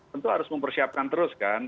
tentu harus mempersiapkan terus kan